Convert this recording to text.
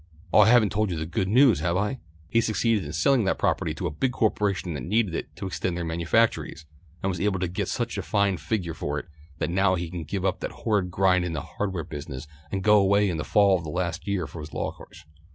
Oh, I haven't told you the good news, have I! He succeeded in selling that property to a big corporation that needed it to extend their manufactories, and was able to get such a fine figure for it that now he can give up that horrid grind in the hardware business and go away in the fall for the last year of his law course.